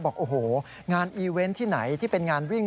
บอกโอ้โหงานอีเวนต์ที่ไหนที่เป็นงานวิ่ง